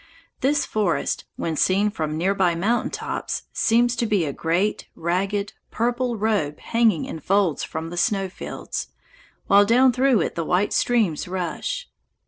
This forest, when seen from near by mountain tops, seems to be a great ragged, purple robe hanging in folds from the snow fields, while down through it the white streams rush.